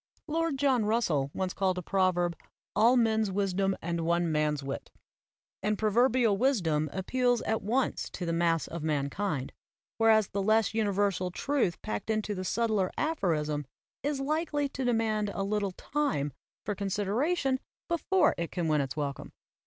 Lord John Russell once called a proverb "All men's wisdom and one man's wit"; and prover bial wisdom appeals at once to the mass of man kind, whereas the less universal truth packed into the subtler aphorism is likely to demand a little time for consideration before it can win its welcome.